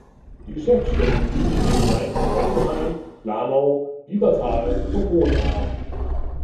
Die Geschäftsstellen liegen in den Gemeinden Heuchelheim, Lahnau, Biebertal und Hohenahr.